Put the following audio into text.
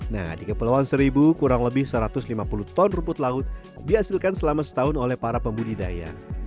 nah di kepulauan seribu kurang lebih satu ratus lima puluh ton rumput laut dihasilkan selama setahun oleh para pembudidaya